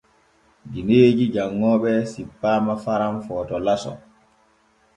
Gineeji janŋooɓe cippaama Faran Footo laso.